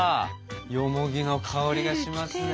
よもぎの香りがしますね。